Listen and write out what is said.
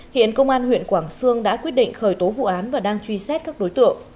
hiện công an huyện quảng sương đã quyết định khởi tố vụ án và đang truy xét các đối tượng